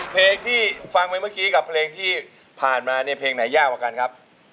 เพลงที่ฟังไปเมื่อกี้กับเพลงที่ผ่านมาเนี่ยเพลงไหนยากกว่ากันครับ